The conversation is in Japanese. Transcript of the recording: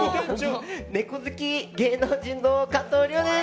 ネコ好き芸能人の加藤諒です。